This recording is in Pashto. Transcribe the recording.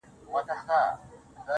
• اوس هره شپه خوب کي بلا وينمه.